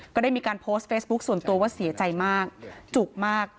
ก็ได้มีการโพสต์เฟซบุ๊คส่วนตัวว่าเสียใจมากจุกมาก